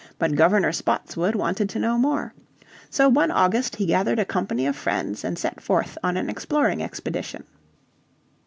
But Governor Spotswood wanted to know more. So one August he gathered a company of friends, and set forth on an exploring expedition.